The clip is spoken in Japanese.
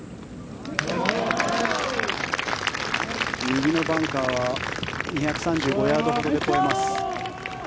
右のバンカーは２３５ヤードほどで越えます。